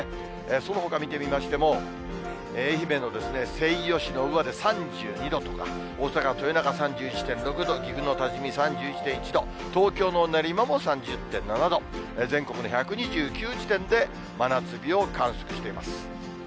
そのほか見てみましても、愛媛の西予市の宇和で３２度とか、大阪・豊中３１．６度、岐阜の多治見３１．１度、東京の練馬も３０．７度、全国の１２９地点で、真夏日を観測しています。